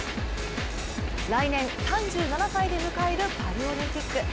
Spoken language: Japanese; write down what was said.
来年、３７歳で迎えるパリオリンピック。